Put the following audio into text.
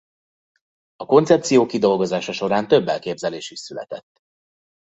A koncepciók kidolgozása során több elképzelés is született.